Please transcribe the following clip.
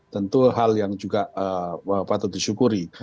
tentu hal yang juga patut disyukuri